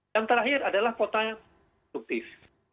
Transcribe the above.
yang terakhir adalah kota produktif